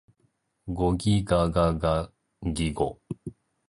ゴギガガガギゴ